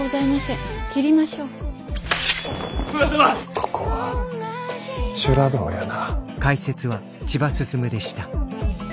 ここは修羅道やな。